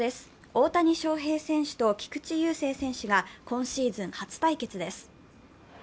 大谷翔平選手と菊池雄星選手が今シーズン初対決です。